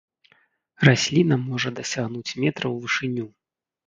Расліна можа дасягнуць метра ў вышыню.